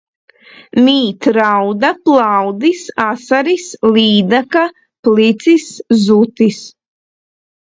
Mīt rauda, plaudis, asaris, līdaka, plicis, zutis.